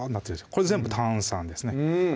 これ全部炭酸ですね